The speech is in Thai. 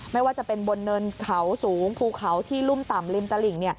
ไม่ว่าจะเป็นบนเนินเขาสูงภูเขาที่รุ่มต่ำริมตลิ่ง